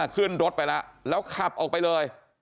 ขึ้นรถไปแล้วแล้วขับออกไปเลย